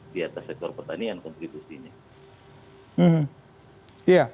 di atas sektor pertanian kontribusinya